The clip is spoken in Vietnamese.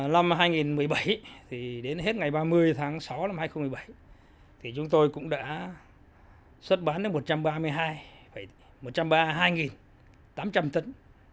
năm hai nghìn một mươi bảy đến hết ngày ba mươi tháng sáu năm hai nghìn một mươi bảy chúng tôi cũng đã xuất bán đến một trăm ba mươi hai tám trăm linh tấn